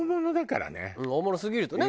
大物すぎるとね